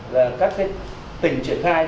là các tỉnh triển khai